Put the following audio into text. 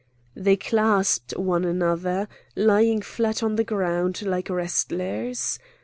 They clasped one another, lying flat on the ground like wrestlers.